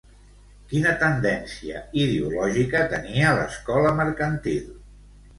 Quina tendència ideològica tenia l'Escola Mercantil?